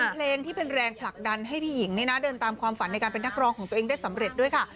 เพลงที่เป็นแรงผลักดันให้พี่หญิงเดินตามความฝันในการเป็นนักร้องของตัวเองได้สำเร็จด้วยค่ะ